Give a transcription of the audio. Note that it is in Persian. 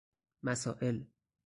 مسائل